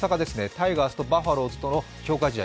タイガースとバファローズとの試合。